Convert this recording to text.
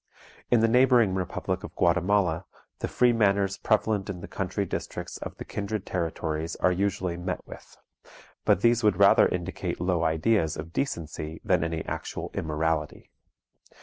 In the neighboring republic of Guatemala, the free manners prevalent in the country districts of the kindred territories are usually met with; but these would rather indicate low ideas of decency than any actual immorality.